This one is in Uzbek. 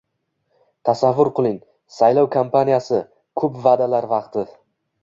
Tasavvur qiling: saylov kampaniyasi - ko'p va'dalar vaqti